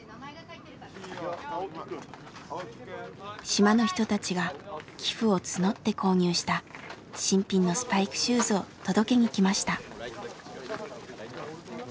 島の人たちが寄付を募って購入した新品のスパイクシューズを届けにきました。